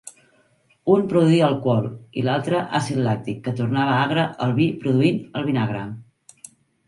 Un produïa alcohol i l'altre, àcid làctic que tornava agre el vi produint el vinagre.